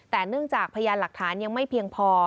แต่เนื่องจากพยานหลักฐานยังไม่เพียงพอ